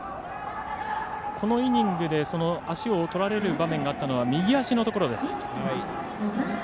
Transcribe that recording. このイニングで足をとられる場面があったのは右足のところです。